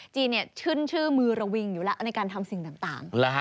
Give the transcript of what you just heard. จีนชื่นชื่อมือระวิงอยู่แล้วในการทำสิ่งต่าง